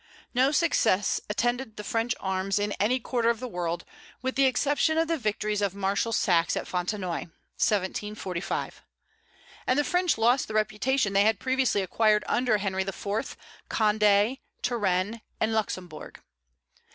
No success attended the French arms in any quarter of the world, with the exception of the victories of Marshal Saxe at Fontenoy (1745); and the French lost the reputation they had previously acquired under Henry IV., Condé, Turenne, and Luxembourg.